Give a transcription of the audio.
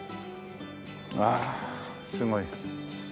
わあすごい。